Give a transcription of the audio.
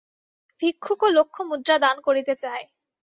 ভিক্ষুকও লক্ষ মুদ্রা দান করিতে চায়।